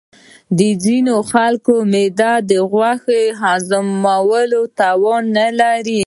د ځینې خلکو معده د غوښې هضمولو توان نه لري.